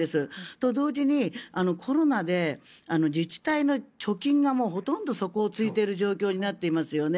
と同時にコロナで自治体の貯金がほとんど底を突いている状況になっていますよね。